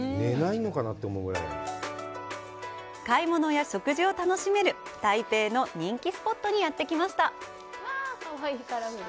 買い物や食事を楽しめる台北の人気スポットにやってきました。